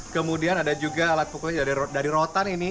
kemudian ada juga alat pukul dari rotan ini